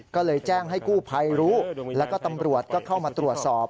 ก็เลยแจ้งให้กู้ภัยรู้แล้วก็ตำรวจก็เข้ามาตรวจสอบ